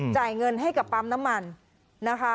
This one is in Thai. จ่ายเงินให้กับปั๊มน้ำมันนะคะ